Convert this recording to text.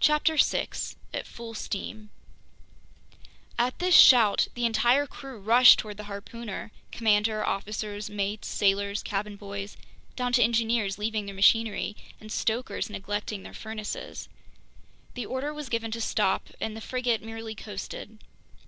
CHAPTER 6 At Full Steam AT THIS SHOUT the entire crew rushed toward the harpooner—commander, officers, mates, sailors, cabin boys, down to engineers leaving their machinery and stokers neglecting their furnaces. The order was given to stop, and the frigate merely coasted.